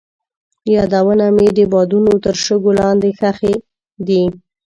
یادونه مې د بادونو تر شګو لاندې ښخې دي.